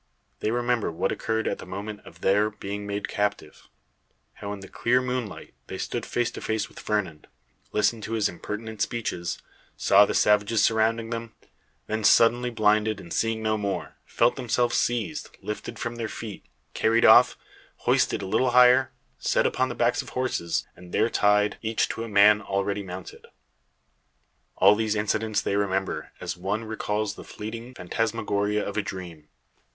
They remember what occurred at the moment of their being made captive; how in the clear moonlight they stood face to face with Fernand, listened to his impertinent speeches, saw the savages surrounding them; then, suddenly blinded and seeing no more, felt themselves seized, lifted from their feet, carried off, hoisted a little higher, set upon the backs of horses, and there tied, each to a man already mounted. All these incidents they remember, as one recalls the fleeting phantasmagoria of a dream.